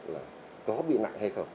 là có bị nặng hay không